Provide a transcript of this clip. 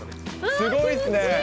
すごいっすね。